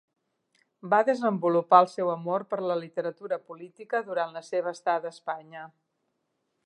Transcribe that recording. Va desenvolupar el seu amor per la literatura política durant la seva estada a Espanya.